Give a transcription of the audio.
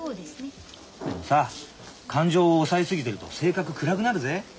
でもさ感情を抑え過ぎてると性格暗くなるぜ。